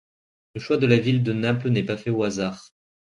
Le choix de la ville de Naples n'est pas fait au hasard.